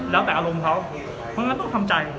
แล้วแต่อารมณ์เขาเพราะฉะนั้นต้องทำใจ